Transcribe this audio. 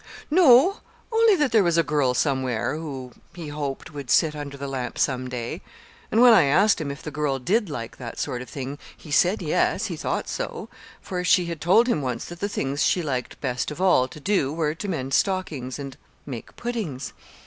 "No, only that there was a girl somewhere who, he hoped, would sit under the lamp some day. And when I asked him if the girl did like that sort of thing, he said yes, he thought so; for she had told him once that the things she liked best of all to do were to mend stockings and make puddings.